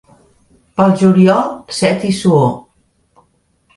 Pel juliol set i suor.